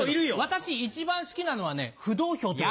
私一番好きなのは浮動票という。